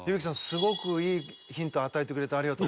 すごくいいヒントを与えてくれてありがとう。